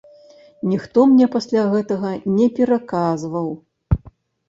Ніхто мне пасля гэтага не пераказваў.